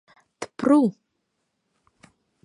Тпру!..